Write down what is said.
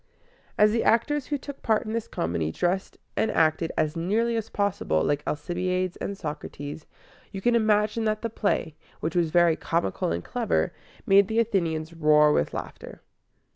As the actors who took part in this comedy dressed and acted as nearly as possible like Alcibiades and Socrates, you can imagine that the play, which was very comical and clever, made the Athenians roar with laughter.